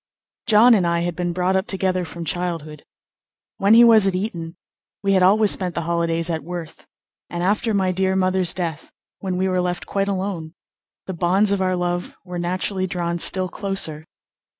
John and I had been brought up together from childhood. When he was at Eton we had always spent the holidays at Worth, and after my dear mother's death, when we were left quite alone, the bonds of our love were naturally drawn still closer.